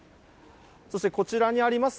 そしてこちらにあります